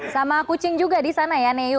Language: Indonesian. sama kucing juga di sana ya neyu